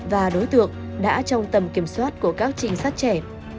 và đối tượng đã trong tầm kiểm soát của các trinh sát trẻ